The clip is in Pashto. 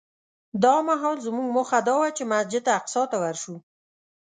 دا مهال زموږ موخه دا وه چې مسجد اقصی ته ورشو.